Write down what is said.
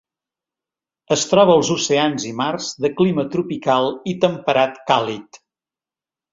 Es troba als oceans i mars de clima tropical i temperat càlid.